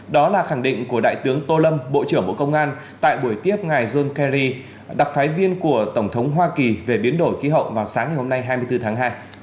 đó là khẳng định của đại tướng tô lâm bộ trưởng bộ công an tại buổi tiếp ngài john kerry đặc phái viên của tổng thống hoa kỳ về biến đổi khí hậu vào sáng ngày hôm nay hai mươi bốn tháng hai